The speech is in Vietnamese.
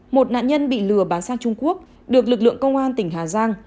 một nạn nhân bị lừa bán sang trung quốc được lực lượng công an tỉnh hà giang